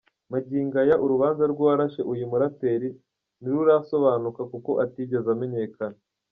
Magingo aya, urubanza rw’uwarashe uyu muraperi ntirurasobanuka kuko atigeze amenyekana.